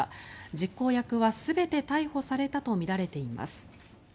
実行役は全て逮捕されたとみられています。